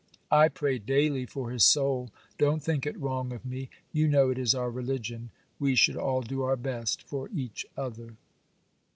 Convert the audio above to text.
I pray daily for his soul; don't think it wrong of me, you know it is our religion, we should all do our best for each other.